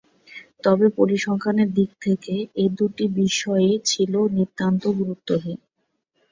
তবে পরিসংখ্যানের দিক থেকে এ দুটি বিষয়ই ছিল নিতান্ত গুরুত্বহীন।